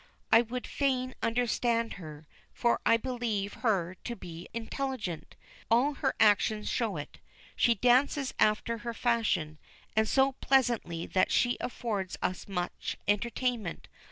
I would fain understand her, for I believe her to be intelligent all her actions show it. She dances after her fashion, and so pleasantly that she affords us much entertainment.